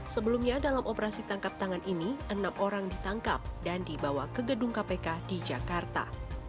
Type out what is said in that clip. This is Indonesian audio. sebelumnya dalam operasi tangkap tangan ini enam orang ditangkap dan dibawa ke gedung kpk di jakarta